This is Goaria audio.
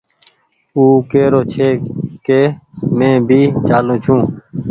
او ڪيرو ڇي ڪي مينٚ بي چآلون ڇو